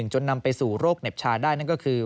จนนำไปสู่โรคเหน็บชาได้นั่นก็คือ